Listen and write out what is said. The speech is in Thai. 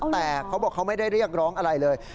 แต่เขาบอกเขาไม่ได้เรียกร้องอะไรเลย